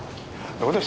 どうでした？